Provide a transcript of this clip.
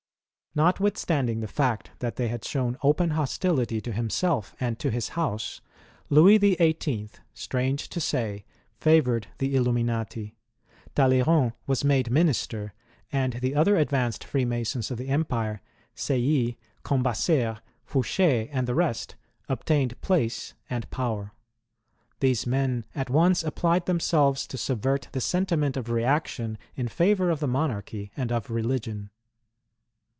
Notwithstanding the fact that they had shown open hostility to himself and to his house, Louis XVIIL , strange to say, favoured the Illuminati. Talleyrand was made minister, and the other advanced Freemasons of the Empire — Seyies, Cambaceres, Fouche, and the rest — obtained place and power. These men at once applied themselves to subvert the sentiment of reaction in flivour of the monarchy and of religion.